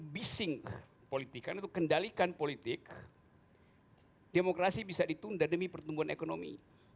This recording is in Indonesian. bising politikan itu kendalikan politik demokrasi bisa ditunda demi pertumbuhan ekonomi